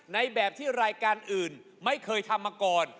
ในแบบที่รายการอื่นไม่เคยทำมาก่อน